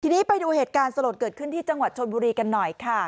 ทีนี้ไปดูเหตุการณ์สลดเกิดขึ้นที่จังหวัดชนบุรีกันหน่อยค่ะ